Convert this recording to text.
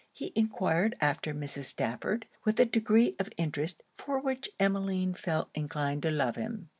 He enquired after Mrs. Stafford with a degree of interest for which Emmeline felt inclined to love him.